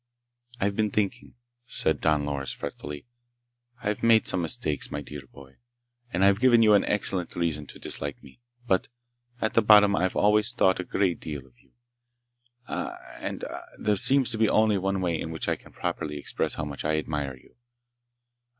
"I've been thinking," said Don Loris fretfully. "I've made some mistakes, my dear boy, and I've given you excellent reason to dislike me, but at bottom I've always thought a great deal of you. And ... ah ... there seems to be only one way in which I can properly express how much I admire you.